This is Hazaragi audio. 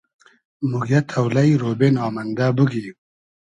موگیۂ تۆلݷ , رۉبې نامئندۂ بوگی